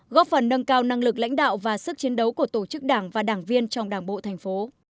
góp phần nâng cao năng lực lãnh đạo và sức chiến đấu của tổ chức đảng và đảng viên trong đảng bộ thành phố